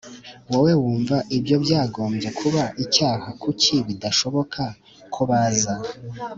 wowe wumva ibyo byagombye kuba icyaha Kuki bidashoboka ko baza